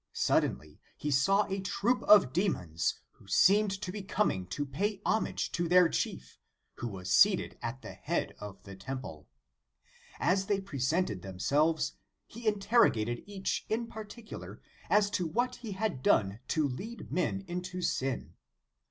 Suddenly he saw a troop of demons, who seemed to be coming to pay homage to their chief, who was seated at the head of the temple. As they presented themselves, he interrogated each in particular as to what he had done to lead men into sin.